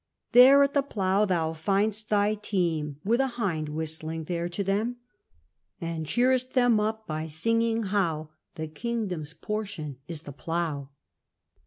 There at the plough thou find'st thy team, With a hind whistling there to them: And cheer'st them up, by singing how The kingdom's portion is the plough.